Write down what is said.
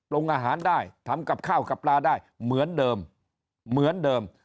อาหารได้ทำกับข้าวกับปลาได้เหมือนเดิมเหมือนเดิม